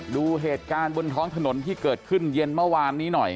ดูเหตุการณ์บนท้องถนนที่เกิดขึ้นเย็นเมื่อวานนี้หน่อย